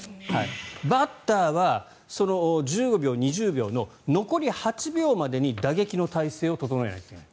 バッターは１５秒、２０秒の残り８秒までに打撃の体勢を整えなくてはいけない。